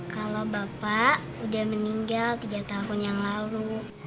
kalau bapak udah meninggal tiga tahun yang lalu